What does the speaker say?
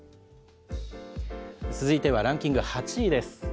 続いてはランキング、８位です。